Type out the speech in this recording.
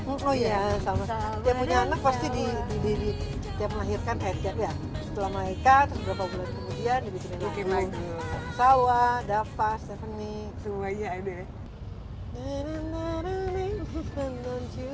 oh iya sama ya punya anak pasti di tiap melahirkan setelah melahirkan terus berapa bulan kemudian dibikin lagu